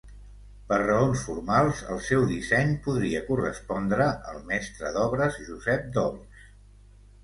Per raons formals el seu disseny podria correspondre al mestre d'obres Josep Dols.